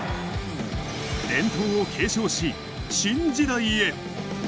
伝統を継承し、新時代へ。